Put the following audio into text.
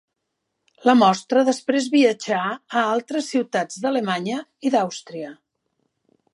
La mostra després viatjà a altres ciutats d'Alemanya i d'Àustria.